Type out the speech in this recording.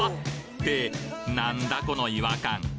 って何だこの違和感？